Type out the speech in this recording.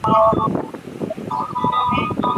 ওগুলো জাহাঁপনার পায়ের সামনে রেখে দাও।